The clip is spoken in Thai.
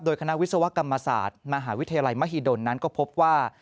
คณะวิศวกรรมศาสตร์มหาวิทยาลัยมหิดลนั้นก็พบว่า